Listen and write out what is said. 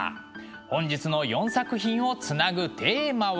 本日の４作品をつなぐテーマは。